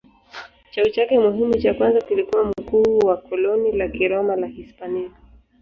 Cheo chake muhimu cha kwanza kilikuwa mkuu wa koloni la Kiroma la Hispania.